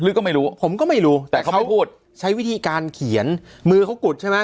ก็ไม่รู้ผมก็ไม่รู้แต่เขาไม่พูดใช้วิธีการเขียนมือเขากุดใช่ไหม